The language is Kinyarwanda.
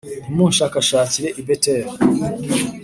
ntimunshakashakire i Beteli,